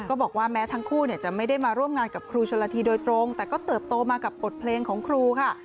บอกว่าแม้ทั้งคู่จะไม่ได้มาร่วมงานกับครูชนละทีโดยตรงแต่ก็เติบโตมากับบทเพลงของครูค่ะ